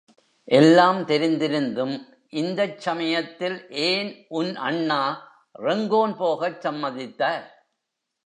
எல்லாம் தெரிந்திருந்தும் இந்தச் சமயத்தில் ஏன் உன் அண்ணா ரெங்கோன் போகச் சம்மதித்தார்.